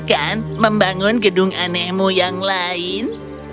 kan membangun gedung anehmu yang lain